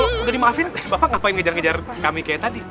kalau udah di maafin bapak ngapain ngejar ngejar kami kayak tadi